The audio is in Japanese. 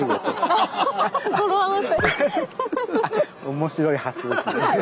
面白い発想ですね。